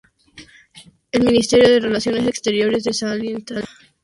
El Ministerio de Relaciones Exteriores desalienta a la gente a viajar a Afganistán.